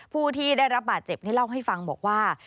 ผู้ที่ได้รับบาดเจ็บนี่เล่าให้ฟังบอกว่า